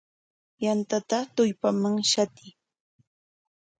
Yantata tullpaman shatiy.